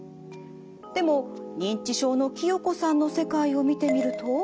でも認知症の清子さんの世界を見てみると。